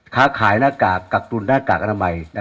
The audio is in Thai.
ค้าขายหน้ากากกักตุนหน้ากากอนามัย